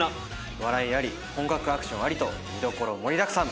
笑いあり本格アクションありと見どころ盛りだくさん！